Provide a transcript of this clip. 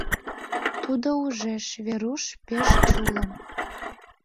Тудо ужеш, Веруш пеш чулым.